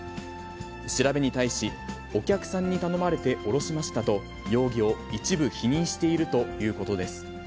調べに対し、お客さんに頼まれて下ろしましたと、容疑を一部否認しているということです。